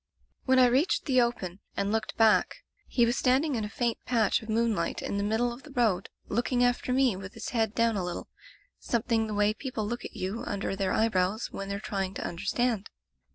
"When I reached the open, and looked Digitized by VjOOQ IC Interventions back, he was standing in a faint patch of moonlight, in the middle of the road, look ing after me with his head down a little, something the way people look at you under their eyebrows when they're trying to under stand.